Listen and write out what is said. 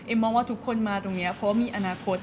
มองว่าทุกคนมาตรงนี้เพราะว่ามีอนาคต